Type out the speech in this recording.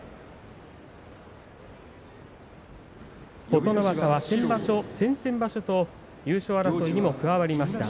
琴ノ若は先場所、先々場所と優勝争いに加わりました。